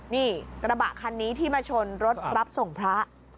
นี่กระบะคันนี้ที่มาชนรถรับส่งพระ